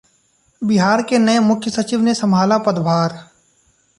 बिहार के नये मुख्य सचिव ने संभाला पदभार